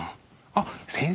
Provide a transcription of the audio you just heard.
あっ先生。